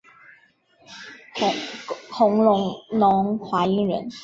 弘农华阴人。